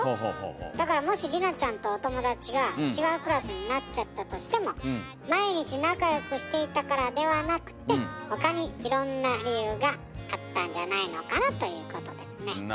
だからもしりなちゃんとお友達が違うクラスになっちゃったとしても毎日仲良くしていたからではなくて他にいろんな理由があったんじゃないのかなということですね。